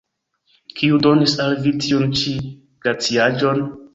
Kiu donis al vi tiun ĉi glaciaĵon?